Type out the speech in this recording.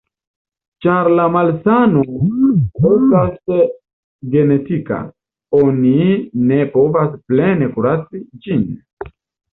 Ĉar la malsano estas genetika, oni ne povas plene kuraci ĝin.